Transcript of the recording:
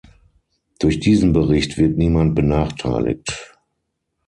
Durch diesen Bericht wird niemand benachteiligt.